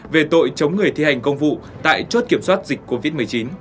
về tội chống người thi hành công vụ tại chốt kiểm soát dịch covid một mươi chín